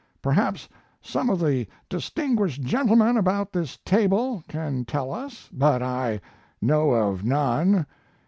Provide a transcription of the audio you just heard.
Perhaps some of the distinguished gentlemen about this table can tell us, but I know of none.